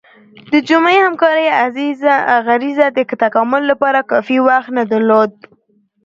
د جمعي همکارۍ غریزه د تکامل لپاره کافي وخت نه درلود.